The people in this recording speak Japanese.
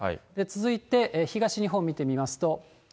続いて、東日本見てみますと。